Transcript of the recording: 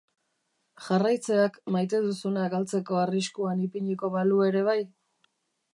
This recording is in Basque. Jarraitzeak maite duzuna galtzeko arriskuan ipiniko balu ere bai?